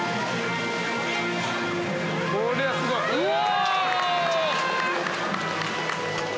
うわ！